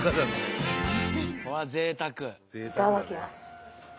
いただきます。